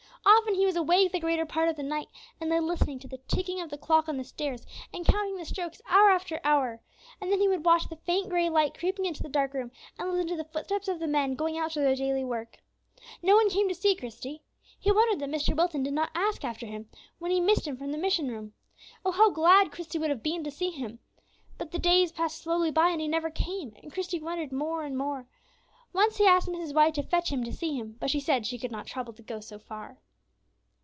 Often he was awake the greater part of the night, and lay listening to the ticking of the clock on the stairs, and counting the strokes hour after hour. And then he would watch the faint gray light creeping into the dark room, and listen to the footsteps of the men going out to their daily work. No one came to see Christie. He wondered that Mr. Wilton did not ask after him, when he missed him from the mission room. Oh, how glad Christie would have been to see him! But the days passed slowly by, and he never came, and Christie wondered more and more. Once he asked Mrs. White to fetch him to see him, but she said she could not trouble to go so far.